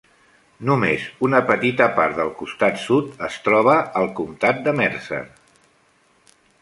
Només una petita part del costat sud es troba al comtat de Mercer.